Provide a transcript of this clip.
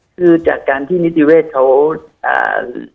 คือจากการที่นิติเวศเขาอ่า